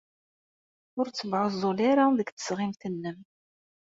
Ur ttebɛuẓẓul ara deg tesɣimt-nnem.